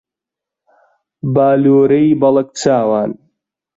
بالۆرەی بەڵەک چاوان